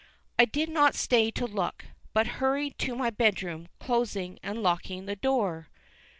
I did not stay to look, but hurried to my bed room, closing and locking the door.